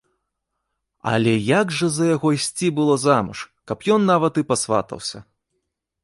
Але як жа за яго ісці было замуж, каб ён нават і пасватаўся?